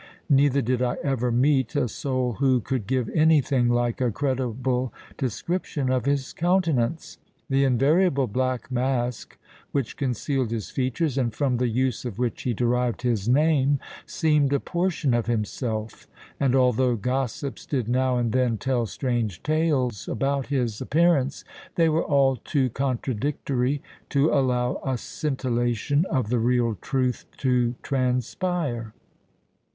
Neither did I ever meet a soul who could give anything like a credible description of his countenance. The invariable black mask which concealed his features, and from the use of which he derived his name, seemed a portion of himself; and although gossips did now and then tell strange tales about his appearance, they were all too contradictory to allow a scintillation of the real truth to transpire."